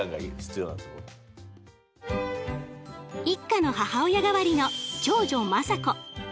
一家の母親代わりの長女政子。